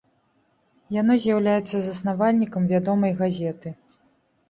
Яно з'яўляецца заснавальнікам вядомай газеты.